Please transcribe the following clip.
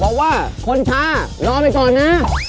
บอกว่าคนช้ารอไปก่อนนะ